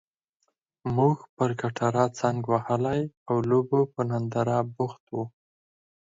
موږ پر کټاره څنګ وهلي او لوبو په ننداره بوخت وو.